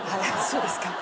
そうですか。